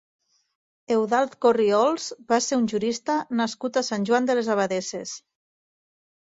Eudald Corriols va ser un jurista nascut a Sant Joan de les Abadesses.